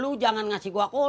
lu jangan ngasih gua kultum